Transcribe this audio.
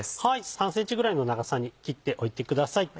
３ｃｍぐらいの長さに切っておいてください。